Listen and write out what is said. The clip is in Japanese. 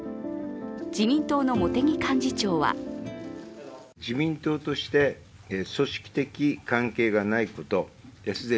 自民党の茂木幹事長はあくまで党とは組織的関係がないと強調。